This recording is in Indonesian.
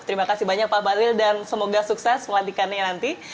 terima kasih banyak pak bahlil dan semoga sukses melantikannya nanti